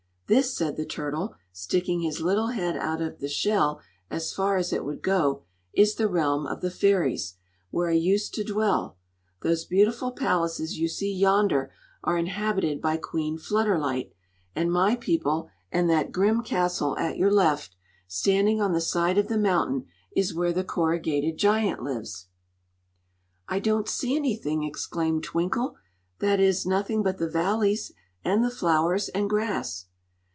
"This," said the turtle, sticking his little head out of the shell as far as it would go, "is the realm of the fairies, where I used to dwell. Those beautiful palaces you see yonder are inhabited by Queen Flutterlight and my people, and that grim castle at your left, standing on the side of the mountain, is where the Corrugated Giant lives." "I don't see anything!" exclaimed Twinkle; "that is, nothing but the valleys and the flowers and grass."